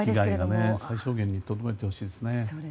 被害を最小限にとどめてほしいですね。